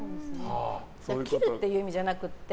切るっていう意味じゃなくて。